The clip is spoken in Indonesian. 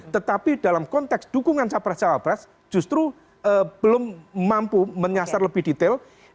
tetapi dalam konteks dukungan capres cawapres justru belum mampu menyasar lebih detail